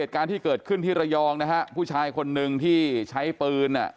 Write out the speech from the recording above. เกิดขึ้นที่ระยองผู้ชายคนหนึ่งที่ใช้ปืน